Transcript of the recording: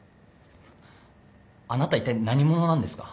あなたいったい何者なんですか？